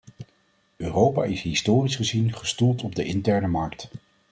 Europa is historisch gezien gestoeld op de interne markt.